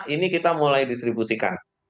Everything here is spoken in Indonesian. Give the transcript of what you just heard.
ini kita mulai distribusikan